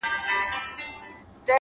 • چي پراته دي دا ستا تروم په موږ وژلي ,